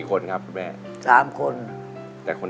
ทำอะไรให้แม่มั่งเช็ดก้น